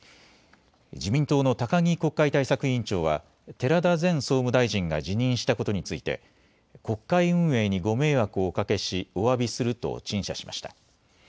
自民党の高木国会対策委員長は寺田前総務大臣が辞任したことについて国会運営にご迷惑をおかけしおわびすると陳謝しました。